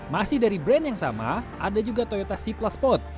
masih dari brand yang sama ada juga toyota cy plus pot